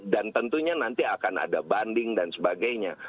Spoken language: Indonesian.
dan tentunya nanti akan ada banding dan sebagainya